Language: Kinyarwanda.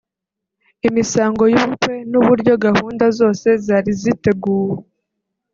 imisango y’ubukwe n’uburyo gahunda zose zari ziteguwe